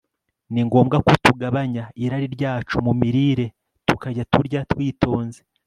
ni ngombwa ko tugabanya irari ryacu mu mirire, tukajya turya twitonze